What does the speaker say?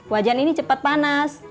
wajan ini cepat panas